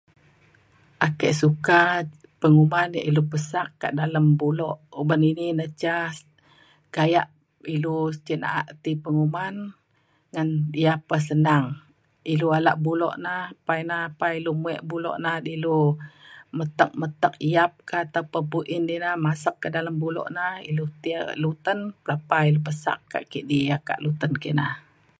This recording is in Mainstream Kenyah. ake suka penguman ia' ilu pesak ka dalem bulok uban ini na ca gayak ilu cin na'a ti penguman ngan ia' pa senang. ilu ala bulok na pa ina pa ilu muek bulok ina na ilu metek metek yap ka atau pah buin ina masek ka dalem bulok na ilu ti luten pelapa ilu pesak ka kidi ia' ka luten kina